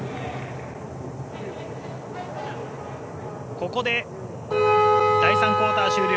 ここで第３クオーター終了。